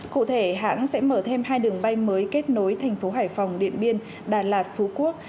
cụ thể hãng sẽ mở thêm hai đường bay mới kết nối thành phố hải phòng điện biên đà lạt phú quốc